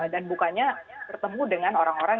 dan bukannya bertemu dengan orang orang